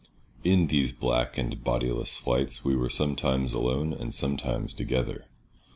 In these black and bodiless flights we were sometimes alone and sometimes together.